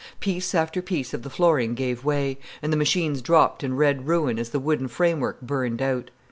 Piece after piece of the flooring gave way, and the machines dropped in red ruin as the wooden framework burned out.